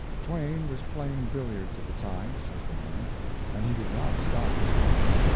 Twain was playing billiards at the time," says the man, "and he did not stop his game.